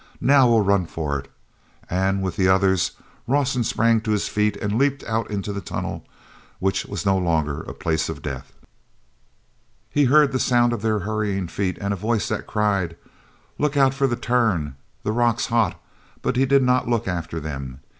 Now we'll run for it!" And, with the others, Rawson sprang to his feet and leaped out into the tunnel which was no longer a place of death. e heard the sound of their hurrying feet and a voice that cried: "Look out for the turn—the rock's hot," but he did not look after them.